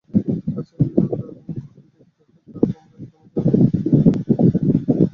তাছাড়া কীভাবে ঘড়ি দেখতে হয়, তা তোমার একদমই জানা নেই।